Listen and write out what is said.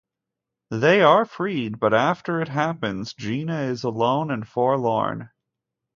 They are freed, but after it happens, Gina is alone and forlorn.